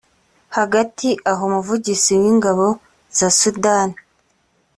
Hagati aho umuvugizi w’ingabo za Sudani